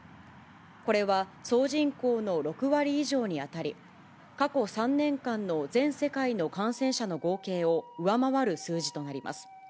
これは総人口の６割以上に当たり、過去３年間の全世界の感染者の合計を上回る数字となります。